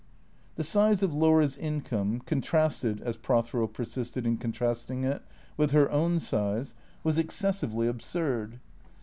The size of Laura's income, contrasted, as Prothero persisted in contrasting it, with her own size, was excessively absurd.